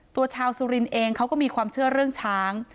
ตัวชาวสุรินทร์เองเขาก็มีความเชื่อเรื่องช้าง